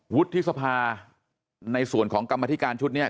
วุฒิสภาในส่วนของกรรมธิการชุดนี้